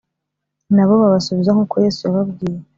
Nabo babasubiza nk’uko Yesu yababwiye